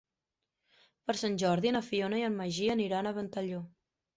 Per Sant Jordi na Fiona i en Magí aniran a Ventalló.